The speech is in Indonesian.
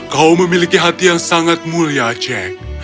kau memiliki hati yang sangat mulia jack